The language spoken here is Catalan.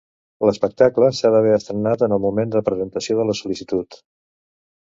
L'espectacle s'ha d'haver estrenat en el moment de presentació de la sol·licitud.